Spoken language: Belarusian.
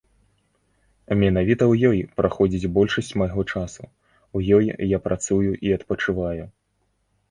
Менавіта ў ёй праходзіць большасць майго часу, у ёй я працую і адпачываю.